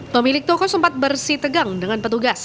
pemilik toko sempat bersih tegang dengan petugas